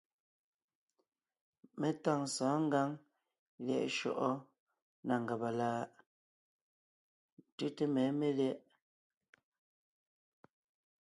Mé tâŋ sɔ̌ɔn ngǎŋ lyɛ̌ʼ shyɔ́ʼɔ na ngàba láʼ? Tʉ́te mɛ̌ melyɛ̌ʼ.